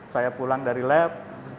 saya pulang dari lab